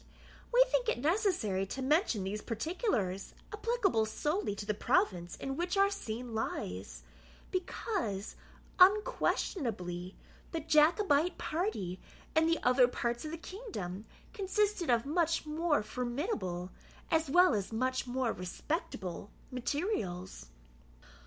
We think it necessary to mention these particulars, applicable solely to the province in which our scene lies; because, unquestionably, the Jacobite party, in the other parts of the kingdom, consisted of much more formidable, as well as much more respectable, materials.